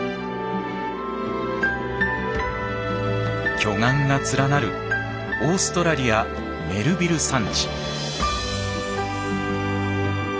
巨岩が連なるオーストラリアメルヴィル山地。